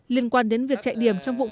liên quan đến việc chạy điểm trong bộ công an